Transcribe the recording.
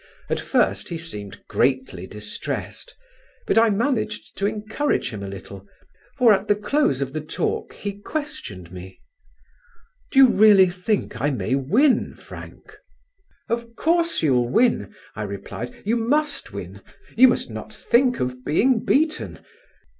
At first he seemed greatly distressed; but I managed to encourage him a little, for at the close of the talk he questioned me: "Do you really think I may win, Frank?" "Of course you'll win," I replied. "You must win: you must not think of being beaten.